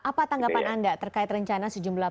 apa tanggapan anda terkait rencana sejumlah